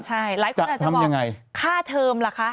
ใช่หลายคนอาจจะบอกค่าเทอมล่ะคะ